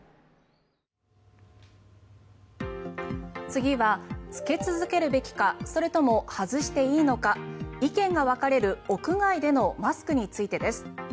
次は、着け続けるべきかそれとも外していいのか意見が分かれる屋外でのマスクについてです。